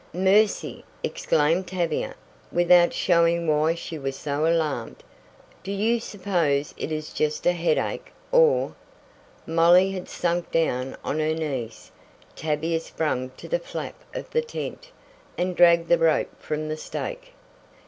"Mercy!" exclaimed Tavia, without showing why she was so alarmed. "Do you suppose it is just a headache or " Molly had sunk down on her knees. Tavia sprang to the flap of the tent, and dragged the rope from the stake.